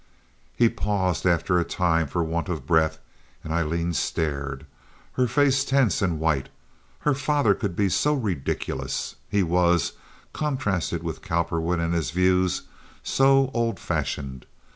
He paused after a time for want of breath and Aileen stared, her face tense and white. Her father could be so ridiculous. He was, contrasted with Cowperwood and his views, so old fashioned.